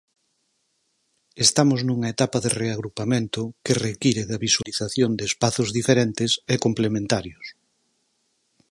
Estamos nunha etapa de reagrupamento que require da visualización de espazos diferentes e complementarios.